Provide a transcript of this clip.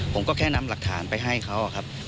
ผมก็แค่นำหลักฐานไปให้เขาครับ